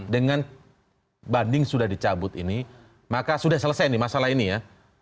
dengan banding sudah dicabut ini maka sudah selesai nih masalah ini ya